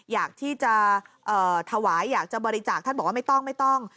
อยากที่จะถวายอยากจะบริจาคท่านบอกว่าไม่ต้องไม่ต้อง